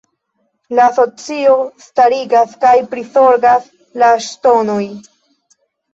Tiu asocio starigas kaj prizorgas la ŝtonoj.